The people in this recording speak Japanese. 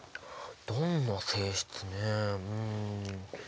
どんな性質ねうん。